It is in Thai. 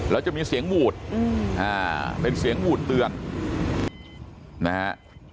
แล้วจะมีเสียงหวูดเป็นเสียงหวูดเตือนนะฮะ